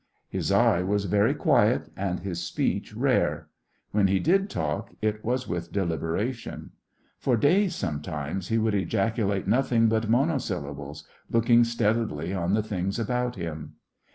His eye was very quiet and his speech rare. When he did talk, it was with deliberation. For days, sometimes, he would ejaculate nothing but monosyllables, looking steadily on the things about him.